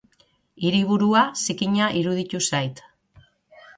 Hiriburua zikina iruditu zait.